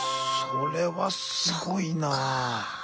それはすごいなぁ。